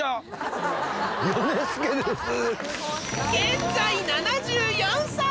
現在７４歳！